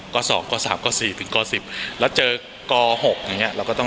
กสองกสามกสี่ถึงกสิบแล้วเจอกหกอย่างเงี้ยเราก็ต้อง